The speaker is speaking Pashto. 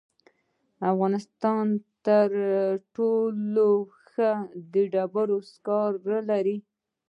افغانستان تر ټولو ښه د ډبرو سکاره لري.